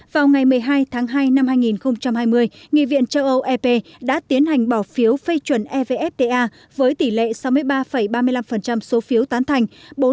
vào ngày một mươi hai tháng hai năm hai nghìn hai mươi nghị viện châu âu ep đã tiến hành bỏ phiếu phê chuẩn evfta với tỷ lệ sáu mươi ba ba mươi năm số phiếu tán thành